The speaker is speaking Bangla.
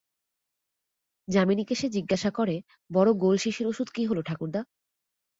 যামিনীকে সে জিজ্ঞাসা করে, বড় গোল শিশির ওষুধ কী হল ঠাকুরদা?